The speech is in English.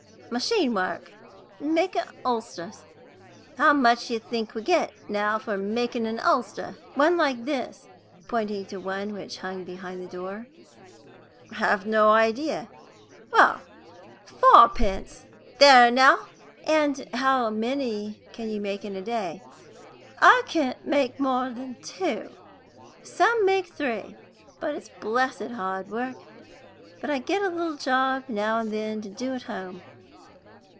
"Machine work; makin' ulsters. How much do you think we get, now, for makin' a ulster one like this?" pointing to one which hung behind the door. "Have no idea." "Well, fourpence: there now!" "And how many can you make in a day?" "I can't make no more than two. Some make three, but it's blessed hard work. But I get a little job now and then to do at home."